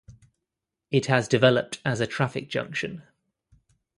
It has developed as a traffic junction.